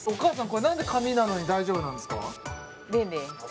これなんで紙なのに大丈夫なんですか？